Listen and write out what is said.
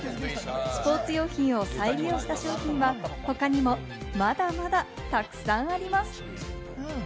スポーツ用品を再利用した商品は他にもまだまだたくさんあります。